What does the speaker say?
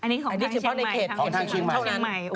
อันนี้ของทางเชียงใหม่ทางเชียงใหม่